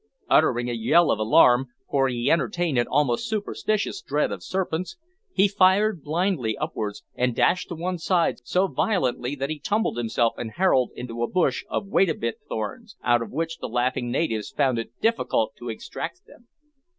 Uttering a yell of alarm for he entertained an almost superstitious dread of serpents he fired blindly upwards, and dashed to one side so violently that he tumbled himself and Harold into a bush of wait a bit thorns, out of which the laughing natives found it difficult to extract them.